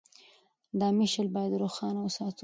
دا مشعل باید روښانه وساتو.